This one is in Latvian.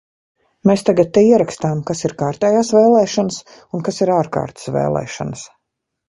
Mēs tagad te ierakstām, kas ir kārtējās vēlēšanas un kas ir ārkārtas vēlēšanas.